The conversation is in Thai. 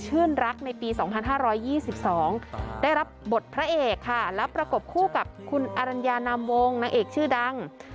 รักในปี๒๕๒๒ได้รับบทพระเอกค่ะแล้วประกบคู่กับคุณอรัญญานามวงนางเอกชื่อดัง